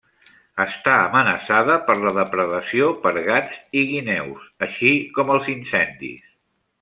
Està amenaçada per la depredació per gats i guineus, així com els incendis.